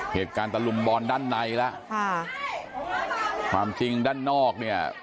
เหตุการณ์ตระลุมบอลด้านในล่ะค่ะความจริงด้านนอกเนี่ย